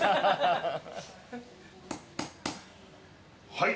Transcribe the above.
はい。